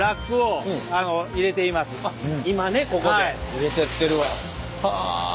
入れてってるわ。